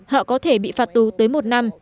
họ có thể bị phạt tù tới một năm